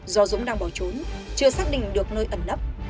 do dũng đang bỏ trốn chưa xác định được nơi ẩn nấp